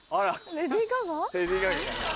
レディー・ガガかな。